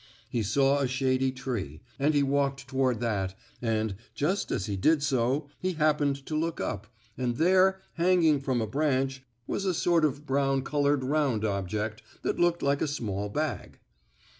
He saw a shady tree, and he walked toward that, and, just as he did so, he happened to look up, and there, hanging from a branch, was a sort of brown colored round object, that looked like a small bag.